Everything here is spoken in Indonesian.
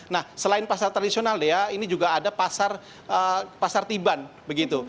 nah selain pasar tradisional dea ini juga ada pasar tiban begitu